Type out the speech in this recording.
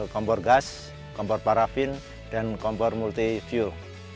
kompor gas kompor parafin dan kompor multifuel